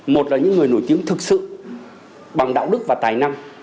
một là những người nổi tiếng thực sự bằng đạo đức và tài năng